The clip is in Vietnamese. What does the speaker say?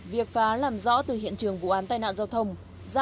việc phá làm rõ từ hiện trường vụ án tai nạn giao thông